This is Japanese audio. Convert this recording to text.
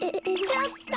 ちょっと！